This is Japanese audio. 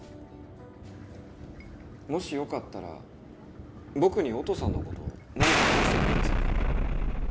もしよかったら、僕に音さんのこと、何か話してくれませんか？